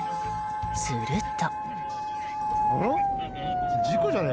すると。